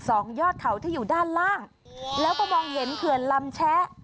ยอดเขาที่อยู่ด้านล่างแล้วก็มองเห็นเขื่อนลำแชะ